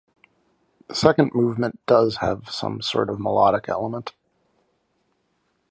The second movement does have some sort of melodic element.